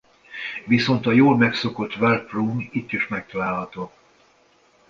Viszont a jól megszokott Warp Room itt is megtalálható.